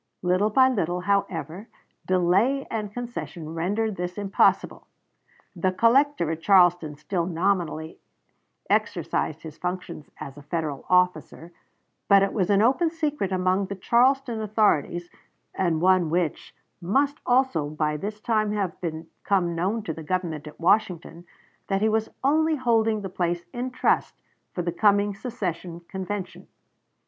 Little by little, however, delay and concession rendered this impossible. The collector at Charleston still nominally exercised his functions as a Federal officer; but it was an open secret among the Charleston authorities, and one which, must also by this time have become known to the Government at Washington, that he was only holding the place in trust for the coming secession convention.